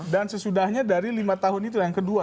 dan sesudahnya dari lima tahun itu yang kedua